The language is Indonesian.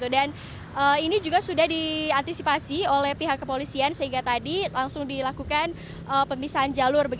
dan ini juga sudah diantisipasi oleh pihak kepolisian sehingga tadi langsung dilakukan pemisahan jalur